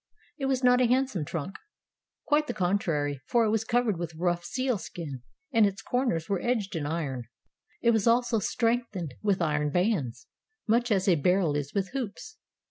It was not a handsome trunk. Quite the contrary, for it was covered with rough seal skin, and its corners were edged in iron. It was also strengthened with iron bands, much as a barrel is with hoops.